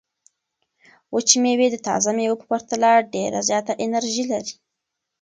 وچې مېوې د تازه مېوو په پرتله ډېره زیاته انرژي لري.